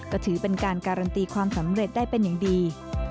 ก็ถือเป็นการการันตีความสำเร็จได้เป็นอย่างดี